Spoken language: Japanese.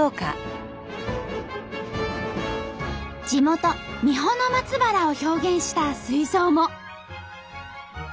地元三保松原を表現した水槽も。